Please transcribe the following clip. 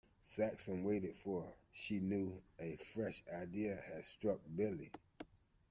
Saxon waited, for she knew a fresh idea had struck Billy.